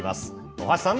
大橋さん。